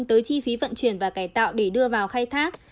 tới chi phí vận chuyển và cải tạo để đưa vào khai thác